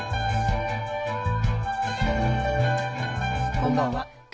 こんばんは。